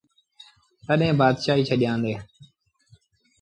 تڏهيݩ بآتشآهيٚ ڇڏيآندي۔